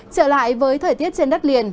trở lại với thời tiết trên đất liền